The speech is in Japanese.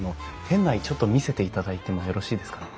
店内ちょっと見せていただいてもよろしいですかね？